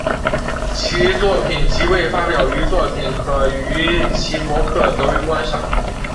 其作品及未发表作品可于其博客得于欣赏。